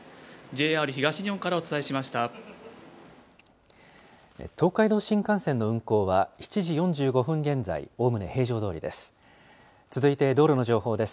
東海道新幹線の運行は、７時４５分現在、おおむね平常どおりです。